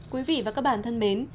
quý vị và các bạn thân mến